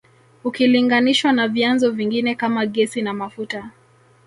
Ukilinganishwa na vyanzo vingine kama gesi na mafuta